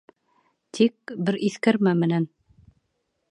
Тик бер иҫкәрмә менән.